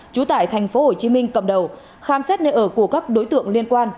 chú tải tp hcm cầm đầu khám xét nơi ở của các đối tượng liên quan